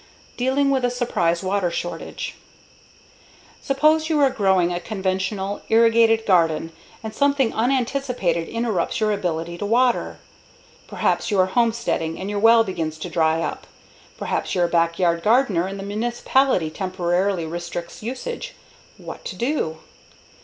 Dealing with a Surprise Water Shortage Suppose you are growing a conventional, irrigated garden and something unanticipated interrupts your ability to water. Perhaps you are homesteading and your well begins to dry up. Perhaps you're a backyard gardener and the municipality temporarily restricts usage. What to do?